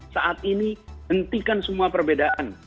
saat ini hentikan semua perbedaan